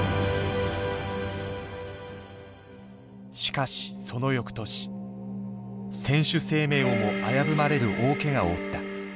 しかしその翌年選手生命をも危ぶまれる大けがを負った。